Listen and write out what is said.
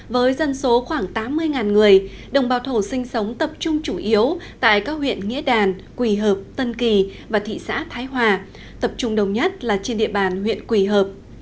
với dân số khoảng tám mươi người đồng bào thổ sinh sống tập trung chủ yếu tại các huyện nghĩa đàn quỳ hợp tân kỳ và thị xã thái hòa tập trung đồng nhất là trên địa bàn huyện quỳ hợp